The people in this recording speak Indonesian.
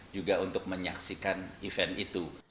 juga untuk menyaksikan event itu